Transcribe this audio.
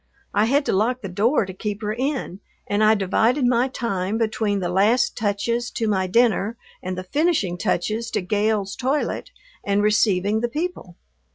I had to lock the door to keep her in, and I divided my time between the last touches to my dinner and the finishing touches to Gale's toilet and receiving the people.